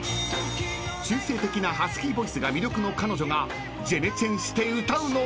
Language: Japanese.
［中性的なハスキーボイスが魅力の彼女がジェネチェンして歌うのは］